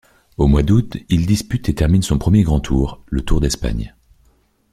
Au moins d'août, il dispute et termine son premier grand tour, le Tour d'Espagne.